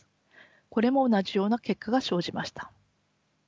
これも同じような結果が生じました。